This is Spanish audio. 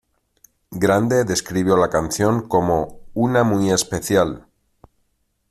Grande describió la canción como "una muy especial".